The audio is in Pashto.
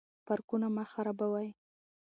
پارکونه مه خرابوئ.